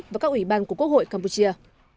và các ủy ban của quốc hội campuchia